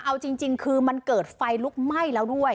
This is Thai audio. เอาจริงคือมันเกิดไฟลุกไหม้แล้วด้วย